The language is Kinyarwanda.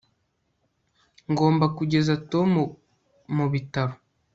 ngomba kugeza tom mubitaro